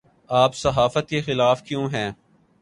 آپ صحافت کے خلاف کیوں ہیں